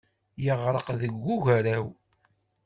Yeɣreq deg ugaraw.